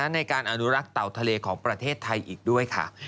ในการอนุรักษ์เต่าทะเลของประเทศไทยอีกด้วยค่ะ